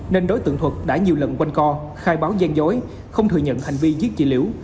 nên đối tượng thuật đã nhiều lần quanh co khai báo gian dối không thừa nhận hành vi giết chị liễu